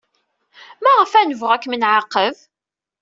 Maɣef ad nebɣu ad kem-nɛaqeb?